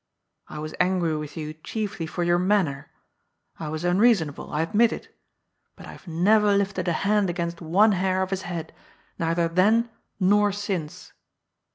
I was angry with you, chiefly for your manner. I was unreasonable. I admit it. But I haye neyer lifted a hand against one hair of his head, neither then nor since